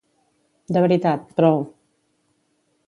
De veritat, prou.